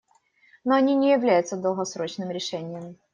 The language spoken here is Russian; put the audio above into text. Но они не являются долгосрочным решением.